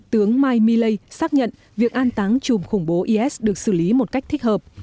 tướng mike milley xác nhận việc an tán chùm khủng bố is được xử lý một cách thích hợp